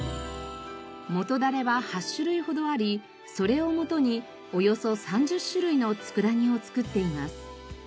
元だれは８種類ほどありそれを元におよそ３０種類の佃煮を作っています。